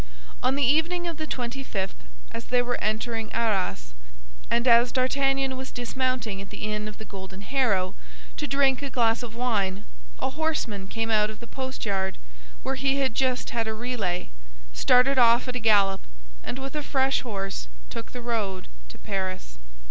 On the evening of the twenty fifth, as they were entering Arras, and as D'Artagnan was dismounting at the inn of the Golden Harrow to drink a glass of wine, a horseman came out of the post yard, where he had just had a relay, started off at a gallop, and with a fresh horse took the road to Paris.